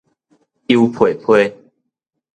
油沫沫